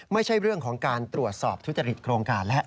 ไม่ใช่เรื่องของการตรวจสอบทุจริตโครงการแล้ว